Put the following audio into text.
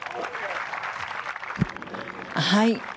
はい。